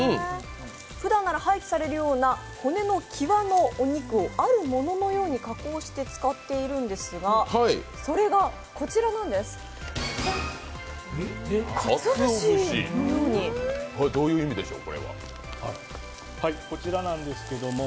ふだんなら廃棄されるような骨の際のようなお肉を加工して使っているんですがそれがこちらなんです。